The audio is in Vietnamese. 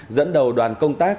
dẫn đầu đoàn công tác